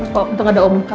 kau untung ada om luka